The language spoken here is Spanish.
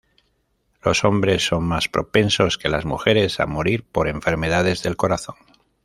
Los hombres son más propensos que las mujeres a morir por enfermedades del corazón.